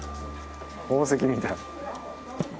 宝石みたい。